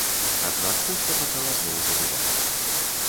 Аднак хутка пачала зноў забіваць.